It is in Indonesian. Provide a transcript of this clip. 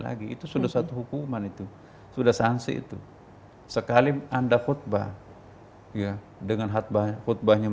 lagi itu sudah satu hukuman itu sudah sanksi itu sekali anda khutbah ya dengan khutbah khutbahnya